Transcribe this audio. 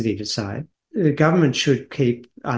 pemerintah harus menjaga keuntungan